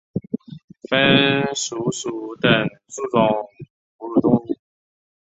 鼢鼠属等数种哺乳动物。